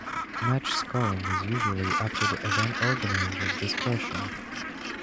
Match scoring is usually up to the event organizer's discretion.